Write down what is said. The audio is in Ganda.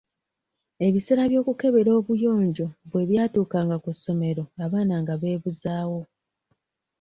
Ebiseera by'okukebera obuyonjo bwe byatuukanga ku ssomero abaana nga beebuzaawo.